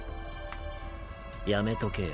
やめとけよ。